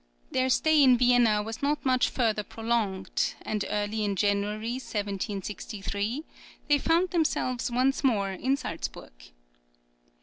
Their stay in Vienna was not much further prolonged, and early in January, 1763, they found themselves once more in Salzburg.